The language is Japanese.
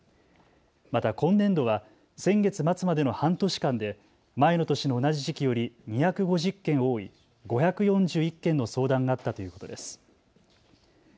また今年度は先月末までの半年間で前の年の同じ時期より２５０件多い５４１件の相談があったということです。